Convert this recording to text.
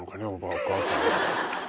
お母さん。